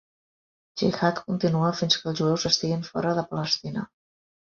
Jihad contínua fins que els jueus estiguin fora de Palestina.